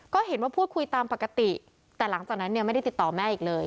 ก็เห็นว่าพูดคุยตามปกติแต่หลังจากนั้นเนี่ยไม่ได้ติดต่อแม่อีกเลย